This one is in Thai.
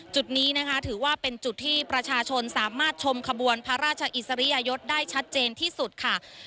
จุดนี้นะคะถือว่าเป็นจุดที่ประชาชนสามารถชมขบวนพระราชอิสริยยศได้ชัดเจนที่สุดค่ะ